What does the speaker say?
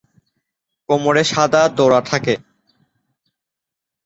কোমরে সাদা ডোরা থাকে।